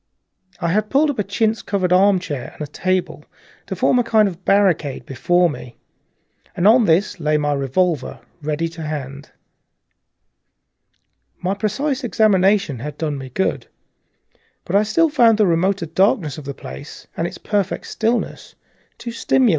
I had pulled up a chintz covered armchair and a table to form a kind of barricade before me. On this lay my revolver, ready to hand. My precise examination had done me a little good, but I still found the remoter darkness of the place and its perfect stillness too stimulating for the imagination.